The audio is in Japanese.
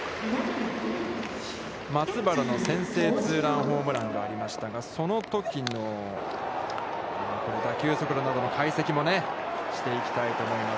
松原の先制ツーランホームランがありましたが、そのときの、打球速度などの解析もしていきたいと思います。